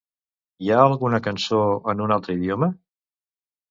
Hi ha alguna cançó en un altre idioma?